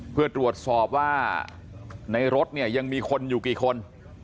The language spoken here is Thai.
เพื่อตรวจสอบว่าในรถเนี่ยยังมีคนอยู่กี่คน